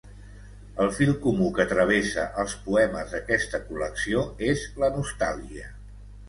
El fil comú que travessa els poemes d'aquesta col·lecció és la nostàlgia.